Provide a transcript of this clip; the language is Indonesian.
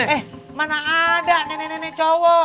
eh mana ada nenek nenek cowok